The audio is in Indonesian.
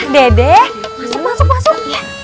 dede masuk masuk masuk